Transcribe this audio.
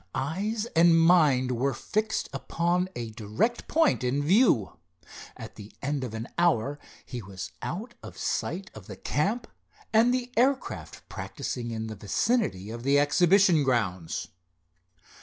Eyes and mind were fixed upon a direct point in view. At the end of an hour he was out of sight of the camp and the air craft practicing in the vicinity of the exhibition grounds.